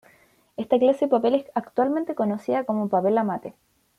Esta clase de papel es actualmente conocida como papel amate.